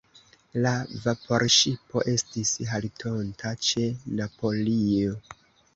La vaporŝipo estis haltonta ĉe Napolio.